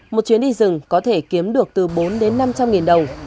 một chuyến đi rừng có thể kiếm được từ bốn đến năm trăm linh nghìn đồng